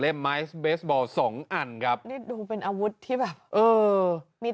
ไม้เบสบอลสองอันครับนี่ดูเป็นอาวุธที่แบบเออมี